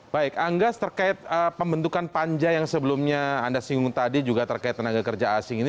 baik anggas terkait pembentukan panja yang sebelumnya anda singgung tadi juga terkait tenaga kerja asing ini